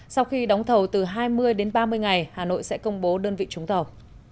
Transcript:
sau khi đóng thầu từ hai mươi đến ba mươi ngày hà nội sẽ công bố đơn vị trúng thầu